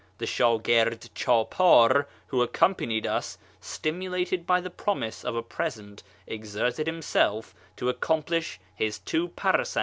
The shdgird chdpAr who accom panied us, stimulated by the promise of a present, exerted himself to accomplish his two ^9ar«s«7?